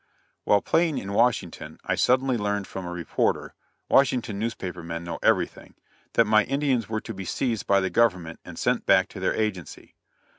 ] While playing in Washington, I suddenly learned from a reporter Washington newspaper men know everything that my Indians were to be seized by the Government and sent back to their agency.